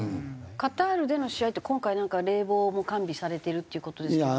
カタールでの試合って今回なんか冷房も完備されてるっていう事ですけども。